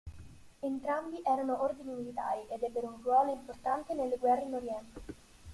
Entrambi erano ordini militari ed ebbero un ruolo importante nelle guerre in oriente.